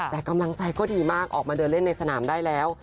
แต่กำลังใจก็ดีมากออกมาเดินเล่นในสนามได้แล้ว